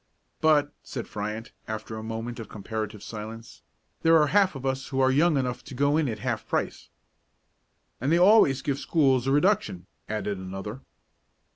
"But," said Fryant, after a moment of comparative silence, "there are half of us who are young enough to go in at half price." "And they always give schools a reduction," added another.